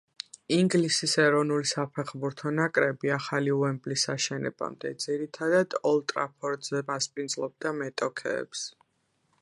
ინგლისის ეროვნული საფეხბურთო ნაკრები ახალი „უემბლის“ აშენებამდე, ძირითადად „ოლდ ტრაფორდზე“ მასპინძლობდა მეტოქეებს.